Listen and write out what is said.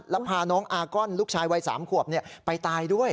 แล้วพาน้องอากอนลูกชายวัย๓ขวบไปตายด้วย